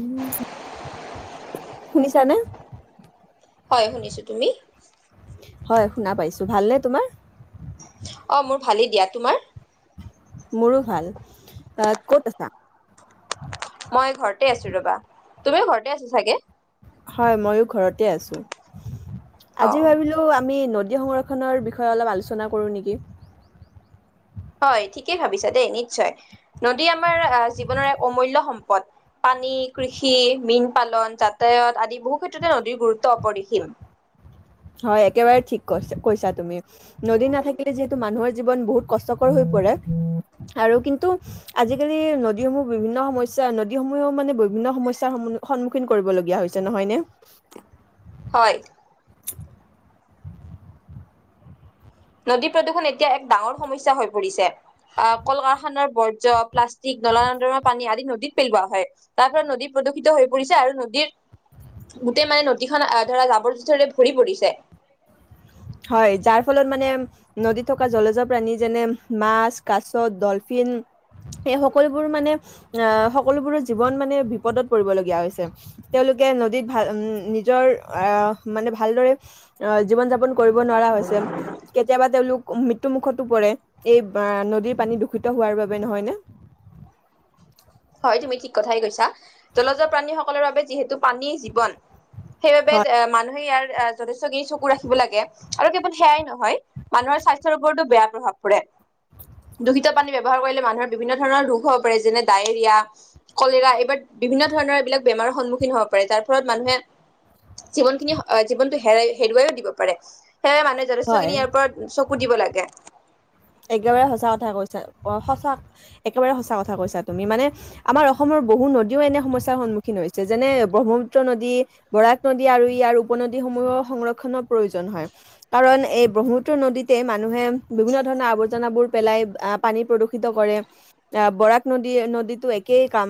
উম শুনিছানে হয় শুনিছো তুমি হয় শুনা পাইছো ভালনে তোমাৰ অ মোৰ ভালেই দিয়া তোমাৰ মোৰো ভাল এ ক'ত আছা মই ঘৰতে আছো ৰবা তুমিও ঘৰতে আছা চাগে। হয় ময়ো ঘৰতে আছোঁ। অ আজি ভাবিলো আমি নদী আজি সংৰক্ষণৰ বিষয়ে অলপ আলোচনা কৰোঁ নেকি হয় ঠিকেই ভাবিছো দেই নিশ্চয় নদী আমাৰ জীৱনৰ এক অমূল্যয় সম্পদ পানী কৃষি মীন পালন যাতায়ত আদি বহু ক্ষেত্ৰতে নদীৰ গুৰুত্ব অপৰিসীম। হয় একেবাৰে ঠিক কৈ কৈছা তুমি নদী নাথাকিলে যিহেতু মানুহৰ জীৱন বহুত কষ্টকৰ হৈ পৰে আৰু কিন্তু আজিকালি নদীসমূহ বিভিন্ন সমস্যা নদীসমূহেও মানে বিভিন্ন সমস্যাৰ সন্মুখীন কৰিবলগীয়া হৈছে নহয়নে। হয় নদী প্ৰদূষণ এতিয়া এক ডাঙৰ সমস্যা হৈ পৰিছে আহ কল কাৰখানাৰ বৰ্জ্য, প্লাষ্টিক, নলা নদৰ পানী আদি নদীত পেলোৱা হয় তাৰ ফলত নদী প্ৰদূষিত হৈ পৰিছে আৰু নদীৰ গোটেই মানে নদীখন আহ ধৰা জাবৰ জোথৰে ভৰি পৰিছে। হয় যাৰ ফলত মানে নদীত থকা জলজৰ প্ৰাণী যেনে মাছ, কাছ, ডলফিন এই সকলোবোৰ মানে আহ সকলোবোৰৰ জীৱন মানে বিপদত পৰিবলগীয়া হৈছে তেওঁলোকে নদীত ভাল উ নিজৰ আহ মানে ভালদৰে আহ জীৱন যাপন কৰিব নোৱাৰা হৈছে কেতিয়াবা তেওঁলোক ম মৃত্যু মুখতো পৰে এই নদীৰ পানী দূষিত হোৱাৰ বাবে নহয় নে? হয় তুমি ঠিক কথাই কৈছা জলজ প্ৰাণীসকলৰ বাবে যিহেতু পানী জীৱন সেইবাবে হয় মানুহে ইয়াৰ যথেষ্ট খিনি চকু ৰাখিব লাগে আৰু কেৱল সেয়াই নহয় মানুহৰ স্বাস্থ্যৰ ওপৰতো বেয়া প্ৰভাৱ পৰে দূষিত পানী ব্যৱহাৰ কৰিলে মানুহৰ বিভিন্ন ধৰণৰ ৰোগ হব পাৰে যেনে দাই। ডায়েৰিয়া, কলেৰা এইবাৰ বিভিন্ন ধৰণৰ এইবিলাক বেমাৰৰ সন্মুখীন হব পাৰে যাৰ ফলত মানুহে জীৱন খিনি অ জীৱনটো হে হেৰুৱাইও দিব পাৰে। সেয়ে মানুহে হয় যথেষ্টখিনি ইয়াৰপৰা উ চব সুধিব লাগে একেবাৰে সঁচা কথা কৈছা সঁচা একেবাৰে সঁচা কথা কৈছা তুমি মানে আমাৰ অসমৰ বহু নদীও এনে সমস্যাৰ সন্মুখীন হৈছে যেনে ব্ৰহ্মপুত্ৰ নদী বৰাক নদী আৰু ইয়াৰ উপনদীসমূহৰ সংৰক্ষনৰৰ প্ৰয়োজন হয় কাৰণ এই ব্ৰহ্মপুত্ৰ নদীতে মানুহে বিভিন্ন ধৰণৰ আৱৰ্জনাবোৰ পেলাই আহ পানী প্ৰদূষিত কৰে আহ বৰাক নদী নদীতো একেই কাম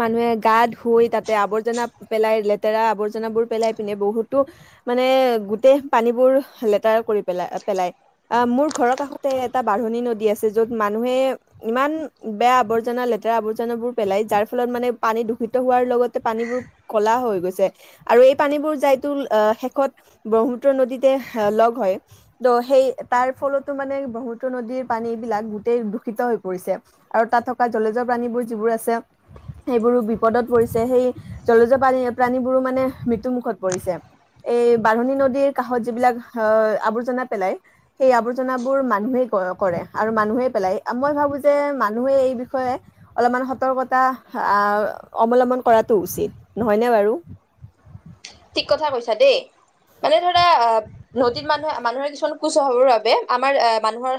মানুহে গা ধুই তাতে আৱৰ্জনা পেলাই লেতেৰা আৱৰ্জনাবোৰ পেলাই পিনে বহুতো মানে গোটেই পানীবোৰ লেতেৰা কৰি পেলাই পেলাই আহ মোৰ ঘৰৰ কাষতে এটা বাঢ়নী নদী আছে য'ত মানুহে ইমান বেয়া আৱৰ্জনা লেতেৰা আৱৰ্জনাবোৰ পেলাই যাৰ ফলত মানে পানী দূষিত হোৱাৰ লগতে পানীবোৰ কলা হৈ গৈছে আৰু এই পানীবোৰ যাইতো শেষত ব্ৰহ্মপুত্ৰ নদীতে লগ হয় ত' সেই তাৰ ফলত ব্ৰহ্মপুত্ৰ নদীৰ পানীবিলাক গোটেই দূষিত হৈ পৰিছে আৰু তাত থকা জলজৰ প্ৰাণীবোৰ যিবোৰ আছে সেইবোৰো বিপদত পৰিছে সেই জলজ প্ৰাণীবোৰো মানে মৃত্যুমুখত পৰিছে। এই বাঢ়নী নদীৰ কাষত যিবিলাক আৱৰ্জনা পেলাই সেই আৱ আৱৰ্জনাবোৰ মানুহে কৰে আৰু মানুহে পেলাই মই ভাবো যে মানুহে এই বিষয়ে অলপমান সতৰ্কতা অ অৱলম্বন কৰাটো উচিত নহয়নে বাৰু। ঠিক কথা কৈছা দেই মানে ধৰা আহ নদীত মানুহে মানুহে কিছুমান কুস্বভাৱৰ বাবে আমাৰ আহ মানুহৰ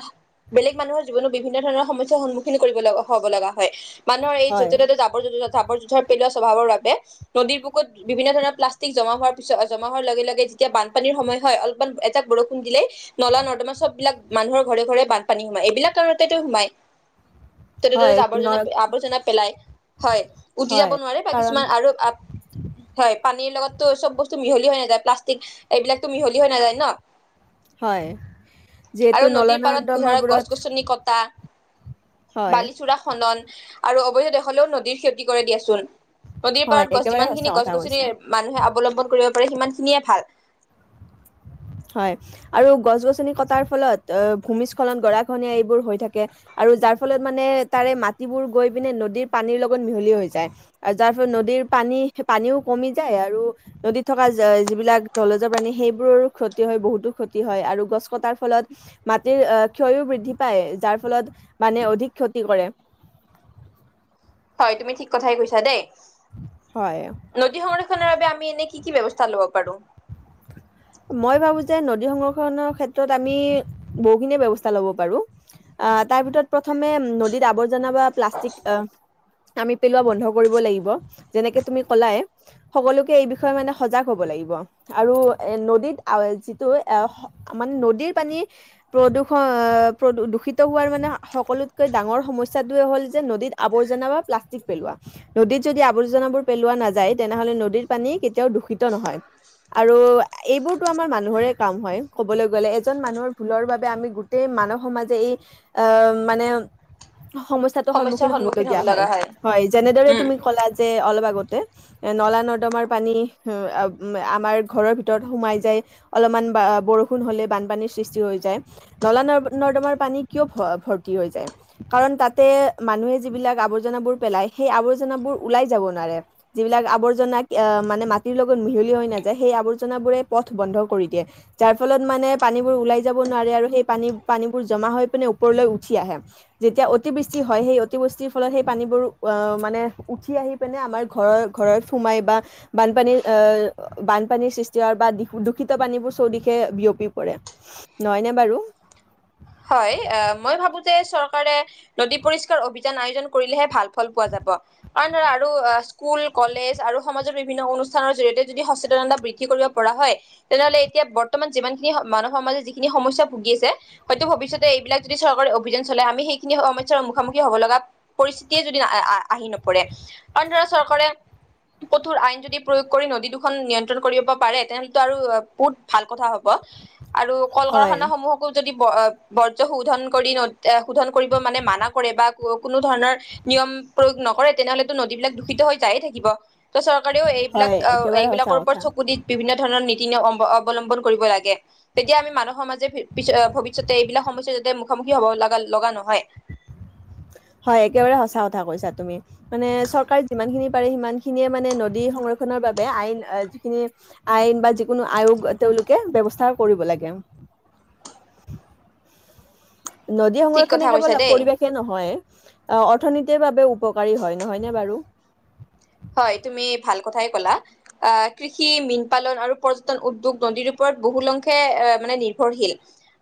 বেলেগ মানুহৰ জীৱনত বিভিন্ন ধৰণৰ সমস্যাৰ সন্মুখীন কৰিব লগা হব লগা হয় মানুহৰ এই হয় য'ত ত' জাবৰ জ জাবৰ জোথৰ পেলোৱা স্বভাৱৰ বাবে নদীৰ বুকত বিভিন্ন ধৰণৰ পাষ্টিক জমা হোৱাৰ পিছত জমা হোৱাৰ লগে লগে যেতিয়া বানপানীৰ সময় হয় অলপমান এজাক বৰষুণ দিলেই নলা নৰ্দমা সববিলাক মানুহৰ ঘৰে ঘৰে বানপানী সোমাই এইবিলাক কাৰণতে তেওঁ সোমাই তেতি ত হয় জাৱৰজনা ন- আৱৰ্জনা পেলাই হয় উটি যাব হয় নোৱাৰে বা কাৰণ কিছুমান আৰু হয় পানীৰ লগত ত চব বস্তু মিহলি হৈ নাযায় প্লাষ্টিক এইবিলাকতো মিহলি হৈ নাযায় ন হয় আৰু যিহেতু নলা নদীৰ পাৰত নৰ্দমাবোৰত হয় বালিচোড়া খনন আৰু অবৈধ দখল হলেও নদীৰ ক্ষতি কৰে দিয়াচোন নদীৰ হয় পাৰত গছ একেবাৰে যিমান সঁচা খিনি গছ কথা কৈছা গছনি মানুহে যিমান কৰিব পাৰে সিমান খিনিয়ে ভাল হয় আৰু গছ গছনি কটাৰ ফলত আহ ভূমিস্খলন গৰা ঘনীয়া এইবোৰ হৈ থাকে আৰু যাৰ ফলত মানে তাৰে মাটিবোৰ গৈ পিনে নদীৰ পানীৰ লগত মিহলি হৈ যায় আৰু যাৰ ফলত নদীৰ পানী পানীও কমি যায় আৰু নদীত থকা যিবিলাক জলজৰ প্ৰাণী সেইব বহুত। ক্ষতি হয় বহুতো ক্ষতি হয় আৰু গছ কটাৰ ফলত মাটিৰ ক্ষয়ো বৃদ্ধি পায় যাৰ ফলত মানে অধিক ক্ষতি কৰে হয় তুমি ঠিক কথাই কৈছা দে। হয় নদী সংৰক্ষণৰ বাবে আমি এনেক কি কি ব্যৱস্থা ল'ব পাৰো? মই ভাবো যে নদী সংৰক্ষণৰ ক্ষেত্ৰত আমি বহুখিনিয়ে ব্যৱস্থা লব পাৰো তাৰ ভিতৰত প্ৰথমে নদীত আৱ আৱৰ্জনা বা প্লাষ্টিক অ আমি পেলোৱা বন্ধ কৰিব লাগিব যেনেকে তুমি কলাই সকলোকে এই বিষয়ে মানে সজাগ হব লাগিব আৰু এ নদীত যিটো এ মানে নদীৰ পানী প্ৰদূষণ প্ৰ দূষিত হোৱাৰ মানে সকলোতকৈ ডাঙৰ সমস্যাটোৱে হল যে নদীত আৱৰ্জনা বা প্লাষ্টিক পেলোৱা নদীত যদি আৱৰ্জনাবোৰ পেলোৱা নাযায় তেনেহলে নদীৰ পানী কেতিয়াও দূষিত নহয় আৰু এইবোৰতো আমাৰ মানুহৰে কাম হয় কবলৈ গলে এজন মানুহৰ ভুলৰ বাবে আমি গোটেই মানৱ সমাজে এই আহ মানে সমস্যাটোৰ সন্মুখীন হব লগগীয়া হয় যেনেদৰে উম তুমি কলা যে অলপ আগতে নলা নৰ্দমাৰ পানী আমাৰ ঘৰৰ ভিতৰত সোমাই যায় অলপমান বৰষুণ হলে বানপানীৰ সৃষ্টি হৈ যায় নলা ন নৰ্দমাৰ পানী কিয় ভ ভৰ্তি হৈ যায় কাৰণ তাতে মানুহে যিবিলাক আৱৰ্জনাবোৰ পেলায় সেই আৱৰ্জনাবোৰ ওলাই যাব নোৱাৰে যিবিলাক আৱৰ্জনা মানে মাটিৰ লগত মিহলি হৈ নাযায় যে সেই আৱৰ্জনাবোৰে পথ বন্ধ কৰি দিয়ে যাৰ ফলত মানে পানীবোৰ ওলাই যাব নোৱাৰে আৰু সেই পানী পানীবোৰ জমা হৈ পিনে ওপৰলৈ উঠি আহে যেতিয়া অতিবৃষ্টি হয় সেই অতিবৃষ্টিৰ ফলত সেই পানীবোৰ মানে উঠি আহি পিনে আমাৰ ঘৰৰ ঘৰত সোমাই বা বানপানী বানপানীৰ সৃষ্টি হয় বা দূষিত পানীবোৰ চৌদিশে বিয়পি পৰে নহয়নে বাৰু হয় মই ভাবো যে চৰকাৰে নদী পৰিস্কাৰ অভিযান আয়োজন কৰিলেহে ভাল ফল পোৱা যাব। কাৰণ ধৰা আৰু স্কুল কলেজ আৰু সমাজৰ বিভিন্ন অনুষ্ঠানৰ জৰিয়তে যদি সচেতনতা বৃদ্ধি কৰিব পৰা হয় তেনেহলে এতিয়া বৰ্তমান যিমানখিনি মানৱ সমাজে যিখিনি সমস্যা ভুগি আছে হয়তো ভৱিষ্যতে এইবিলাক যদি চৰকাৰে অভিযান চলাই আমি সেইখিনি সমস্যাৰ মুখামুখি হ'ব লগা প। ৰিস্থিতিয়ে যদি আহি নপৰে অন্ধ্ৰ চৰকাৰে কঠোৰ আইন যদি প্ৰয়োগ কৰি নদী দুখন নিয়ন্ত্ৰণ কৰিব পাৰে তেনেহ'লে আৰু বহুত ভাল কথা হব আৰু কল হয় কাৰখানা সমূহকো যদি বৰ্জ শোধন কৰি শোধন কৰিব মানে মানা কৰে বা কোনো ধৰণৰ নিয়ম প্ৰয়োগ নকৰে তেনেহলেতো নদীবিলাক দূষিত হৈ যায়ে থাকিব। ত চৰকাৰেও এইবিলাক হয় একেবাৰে সঁচা এইবিলাকৰ ওপৰত কথা চকু দি বিভিন্ন ধৰণৰ খিনি অৱ অৱলম্বন কৰিব লাগে। তেতিয়া আমি মানুহ সমাজে পি -পিছত ভবিত তাৰপিছতে এইবিলাক সমস্যা যাতে মুখামুখি হব লগা লগা নহয়। হয় একেবাৰে সচা কথা কৈছা তুমি। মানে চৰকাৰে যিমানখিনি পাৰে সিমান খিনিয়ে মানে নদী সংৰক্ষনৰ বাবে আইন যি খিনি আইন বা যিযোনো আয়োগ তেওঁলোকে বৱস্থা কৰিব লাগে। নদী ঠিক সংৰক্ষনে কথা কৈছা কেৱল দেই পৰিৱেশে নহয় অ অৰ্থনীতিৰ বাবেও উপকাৰী হয়, নহয়নে বাৰু? হয় তুমি ভাল কথাই কলা। আ কৃষি, মীন পালন আৰু পৰ্যটন উদ্যোগ নদীৰ ওপৰত বহুলংখে মানে নিৰ্ভৰশীল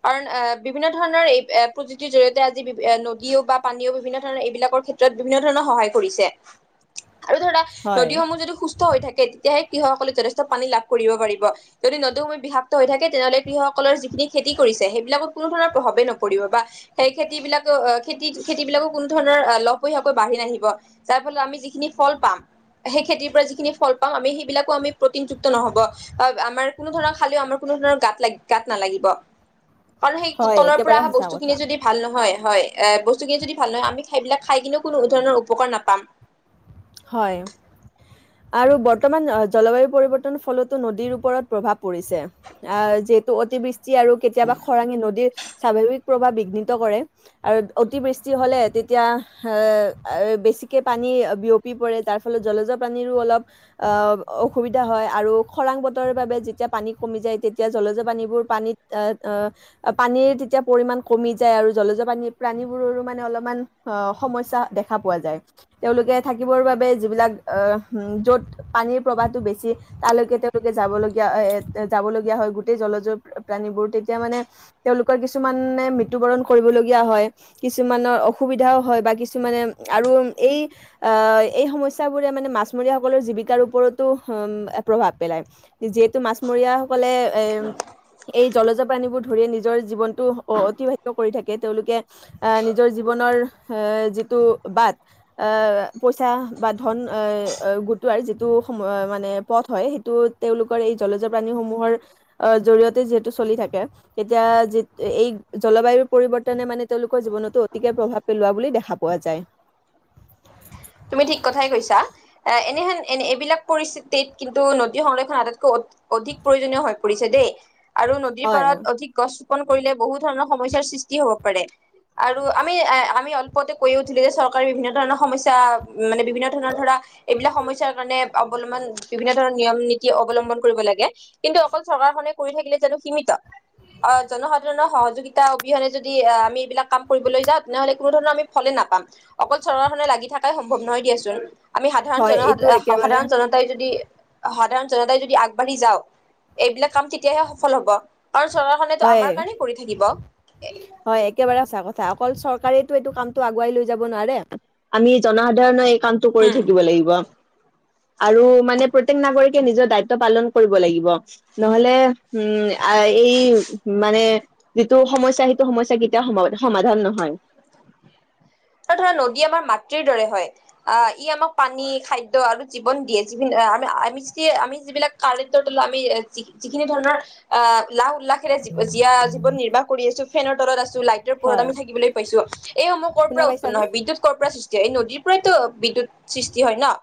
কাৰণ আহ বিভিন্ন ধৰণৰ এই প্ৰযুক্তিৰ জৰিয়তে আজি বি নদীও বা পানীও বিভিন্ন ধৰণৰ এইবিলাকৰ ক্ষেত্ৰত বিভিন্ন ধৰণৰ সহায় কৰিছে। আৰু ধৰা হয় নদীসমূহ যদি সুস্থ হৈ থাকে তেতিয়াহে কৃষকসকলে যথেষ্ট পানী লাভ কৰিব পাৰিব। যদি নদী সমূহ বিষাক্ত হৈ থাকে তেনেহলে কৃষকসকলৰ যিখিনি খেতি কৰিছে সেইবিলাকত কোনো ধৰণৰ প্ৰভাৱে নপৰিব বা সেই খেতি বিলাক আহ খেতি খেতিবিলাকো কোনো ধৰণৰ লভীয়াকৈ বাঢ়ি নাহিব যাৰ ফলত আমি যিখিনি ফল পাম, সেই খেতিৰ পৰা যিখিনি ফল পাম আমি সেইবিলাকো আমি প্ৰটিনযুক্ত নহব বা আমাৰ কোনো ধৰণৰ খালেও আমাৰ কোনো ধৰণৰ গা লাগ গাত নালাগিব। কাৰণ সেই হয়, তলৰ একেবাৰে পৰা অহা সঁচা বস্তু কথা। খিনি যদি ভাল নহয় হয় বস্তুখিনি যদি ভাল নহয় আমি সেইবিলাক খাই কিনেও কোনো ধৰণৰ উপকাৰ নাপাম। হয় আৰু বৰ্তমান জলবায়ু পৰিৱৰ্তনৰ ফলতো নদীৰ ওপৰত প্ৰভাৱ পৰিছে। আ যিহেতু অতিবৃষ্ট যি আৰু কেতিয়াবা খৰাঙি নদীৰ স্বাভাৱিক প্ৰভাৱ বিঘ্নিত কৰে আৰু অতিবৃষ্টি হ'লে তেতিয়া আ বেছিকে পানী বিয়পি পি পৰে তাৰ ফলত জলজ পাানীৰো অলপ অসুবিধা হয় আৰু খৰাং বতৰৰ বাবে যেতিয়া পানী কমি যায় তেতিয়া জলজ পানীবোৰ পানীত পানীৰ তেতিয়া পৰিমাণ কমি যায় আৰু জলজ পানী প্ৰাণীবোৰৰো মানে অলপমান সমস্যা দেখা পোৱা যায়। তেওঁলোকে থাকিবৰ বাবে যিবিলাক আ য'ত পানীৰ প্ৰবাহটো বেছি তালৈকে তেওঁলোকে যাবলগীয়া যাবলগীয়া হয় গোটেই জলজৰ প্ৰাণীবোৰ তেতিয়া মানে তেওঁলোকৰ কিছুমানে মৃত্যবৰণ কৰিবলগীয়া হয় কিছুমানৰ অসুবিধাও হয় বা কিছুমানে আৰু এই অহ এই সমস্যাবোৰে মানে মাছমৰীয়াসকলৰ জীৱিকাৰ ওপৰতো প্ৰভাৱ পেলায়। যিহেতু মাছমৰীয়াসকলে এ এই জলজপ্ৰাণীবোৰ ধৰিয়ে নিজৰ জীৱনটো অতিবাহিত কৰি থাকে। তেওঁলোকে আহ নিজৰ জীৱনৰ যিটো বাট আহ পইচা বা ধন আহ গোটোৱাৰ যিটো সম মানে পথ হয় সেইটো তেওঁলোকৰ এই জলজ প্ৰাণীসমূহৰ জৰিয়তে যিহেতু চলি থাকে তেতিয়া এই জলবায়ুৰ পৰিৱৰ্তনে মানে তেওঁলোকৰ জীৱনতো অতিকে প্ৰভাৱ পেলোৱা বুলি দেখা পোৱা যায়। তুমি ঠিক কথাই কৈছা। এ এনেহেন এনে এইবিলাক পৰিস্থিতিত কিন্তু নদী সংৰক্ষণ আটাইতকৈ অধিক প্ৰয়োজনীয় হৈ পৰিছে দেই। আৰু নদীৰ হয় পাৰত অধিক গছ ৰোপন কৰিলে বহু ধৰণৰ সমস্যাৰ সৃষ্টি হ'ব পাৰে আৰু আমি আমি অলপতে কৈয়ে উঠিলো যে চৰকাৰে বিভিন্ন ধৰণৰ সমস্যা মানে বিভিন্ন ধৰণৰ ধৰা এইবিলাক সমস্যাৰ কাৰণে অৱলম্বন বিভিন্ন ধৰণৰ নিয়ম নীতি অৱলম্বন কৰিব লাগে কিন্তু অকল চৰকাৰখনে কৰি থাকিলে জানো সীমিত অ জনসাধাৰণৰ সহযোগিতা অবিহনে যদি আমি এইবিলাক কাম কৰিবলৈ যাওঁ তেনেহলে কোনো ধৰণৰ আমি ফলে নাপাম। অকল চৰকাৰখনে লাগি থাক তাই সম্ভৱ নহয় দিয়াচোন আমি সাধাৰণ হয় জনসাধ এইটো একেবাৰে সাধাৰণ জনতাই যদি সাধাৰণ জনতাই যদি আগবাঢ়ি যাও, এইবিলাক কাম তেতিয়াহে সফল হব। আৰু চৰকাৰখনেতো আমাৰ হয় কাৰণেই কৰি থাকিব। চৰকাৰেটো এইটো কামতটো আগুৱাই লৈ যাব নোৱাৰে। আমি জনসাধাৰণ কামটো কৰি উম। থাকিব লাগিব আৰু মানে প্ৰত্যেক নাগৰিকে নিজৰ দায়িত্ব পালন কৰিব লাগিব। নহলে, উম এই মানে যিটো সমস্যা, সেইটো সমস্যা কেতিয়াও সম সমাধান নহয়। ত ধৰা নদী আমাৰ মাতৃৰ দৰে হয় ।আহ ই আমাক পানী, খাদ্য আৰু জীৱন দিয়ে যি আমি আমি য আমি যিবিলাক কাৰাৰেৰ তো আমি যিখিনি ধৰণৰ আহ লাহ উল্লাস জীয়া জীৱন নিৰ্বাহ কৰি আছো ফেনৰ তলত আছে। লাইটৰ হয় পোহৰত থাকিবলৈ পাইছো এইসমূহ কৰ'ৰ শুনা পৰা পাইছানে নহয় বিদ্যুৎ কৰ পৰা সৃষ্টি যে এই নদীৰ পৰাইতো বিদ্যুত সৃষ্টি হয় ন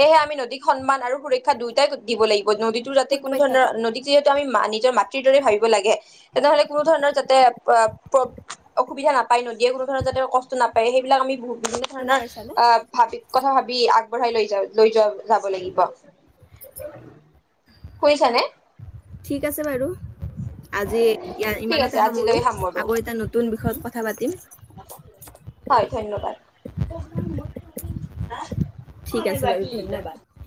সেয়েহে আমি নদীক সন্মান আৰু সুৰক্ষা দুয়োটাই দিব লাগিব। নদীটো যাতে শুনা কোনো ধৰণৰ পাইছানে নদী যে ত আমি নিজৰ মাতৃৰ দৰে ভাবিব লাগে তেনেহলে কোনো ধৰণৰ যাতে [unintelligible] অসুবিধা নাপাই নদীয়ে কোনোধৰণৰ যাতে কষ্ট নাপ এই সেইবিলাক আমি ভো বিভিন্ন শুনা ধৰণৰ পাইছানে অহ ভাবি কথা ভাবি আগ বঢ়াই লৈ যা- লৈ যোৱা যাব লাগিব শুনিছা নে? ঠিক আছে বাৰু। আজি ইয়া ঠিক আছে ইমানতে সামৰো আজিলৈ আকৌ এটা নতুন বিষয়ত কথা পাতিম। হয় ধন্যবাদ। [unintelligible] ঠিক আছে বাৰু ধন্যবাদ।